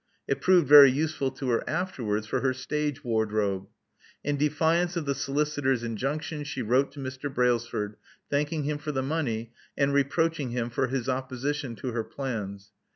It proved very useful to her afterwards for her stage wardrobe. In defiance of the solicitor's injunction, she wrote to Mr. Brailsford, thanking him for the money, and reproaching him for his opposition to her plans.